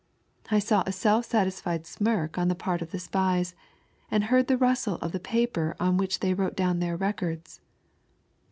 I saw, a self satisfied smirk on the part of the spies, and heard tho rustle of the paper on which they wrote down their remarks.